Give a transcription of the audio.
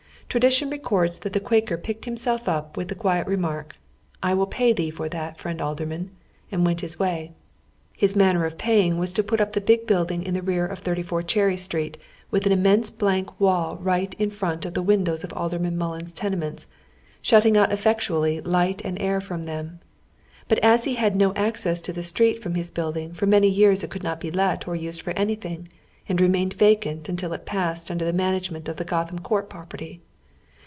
Tradition records tiiat tlie Quaker picked hiuiself up witk the quiet I'eiiiark, '• I will pay thee for that, friend Alderman," and went his way. His man ner of paying was to pnt up the big building in the reai' of 31 Cherry Street with an itnuienBC blank wall right in front of tlie windows of Alderman Miillins's tenements, shutting out effectually light and air from them. But as he had no access to the street from liis building for many years it could not be let or used for anything, anti remained vacant nntil it passed under the managomeiit of the Gotham Court property.